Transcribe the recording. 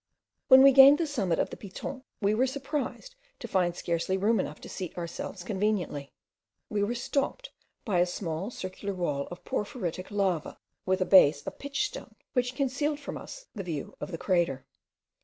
When we gained the summit of the Piton, we were surprised to find scarcely room enough to seat ourselves conveniently. We were stopped by a small circular wall of porphyritic lava, with a base of pitchstone, which concealed from us the view of the crater.